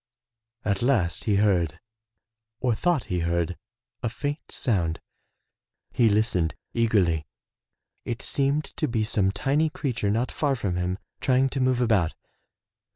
At last he heard, or thought he heard, a faint sound. He listened eagerly. It seemed to be some tiny creature not far from him, trying to move about.